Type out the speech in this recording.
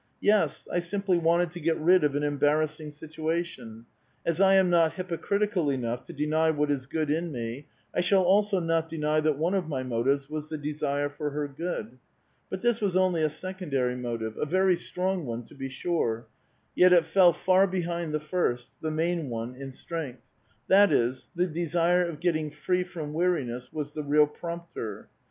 Yes, I simply wanted to get rid of an embarrassing situation. As I am not h^'pocritical enough to deny what is good in me, I shall also not denj* that one of my motives was the desire for her good ; but this was only a secondary motive, a very strong one, to be sure, yet it fell far behind the first, the main one, in strength ; that is, the desire of getting free from weariness was the real prompter.